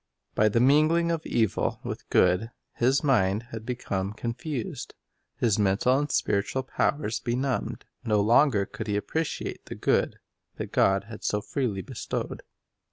By the mingling of evil with good, his mind had become confused, his mental and spiritual powers benumbed. No longer could he appreciate the good that God had so freely bestowed.